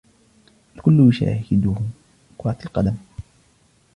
الكل يشاهد كره القدم